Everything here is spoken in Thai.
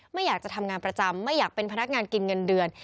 ไม่อยากจะทำงานประจำไม่อยากเป็นพนักงานกินเงินเดือน